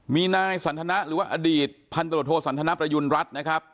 มีนายสันทนะหรือว่าอดีตพันตรวจโทสันทนประยุณรัฐนะครับ